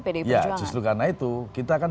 pdi perjuangan ya justru karena itu kita kan